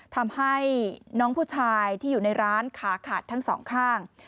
ทำให้น้องผู้ชายที่อยู่ในร้านขาขาดทั้งสองข้าง